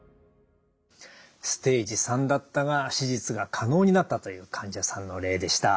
ステージⅢだったが手術が可能になったという患者さんの例でした。